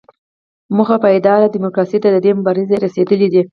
موخه پایداره ډیموکراسۍ ته د دې مبارزې رسیدل دي.